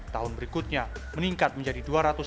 tahun berikutnya meningkat menjadi dua ratus enam belas